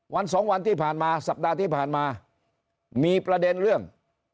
วันสองวันที่ผ่านมาสัปดาห์ที่ผ่านมามีประเด็นเรื่อง